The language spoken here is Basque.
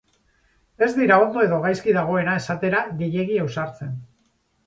Ez dira ondo edo gaizki dagoena esatera gehiegi ausartzen.